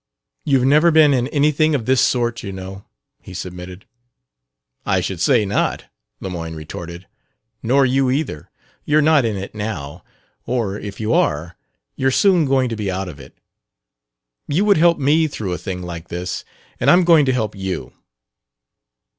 "You've never been in anything of this sort, you know," he submitted. "I should say not!" Lemoyne retorted. "Nor you, either. You're not in it now, or, if you are, you're soon going to be out of it. You would help me through a thing like this, and I'm going to help you."